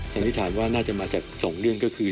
สันนิษฐานว่าน่าจะมาจากสองเรื่องก็คือ